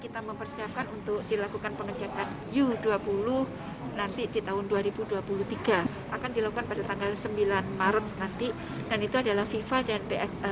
caranya memang hari ini kita mempersiapkan untuk dilakukan pengecekan u dua puluh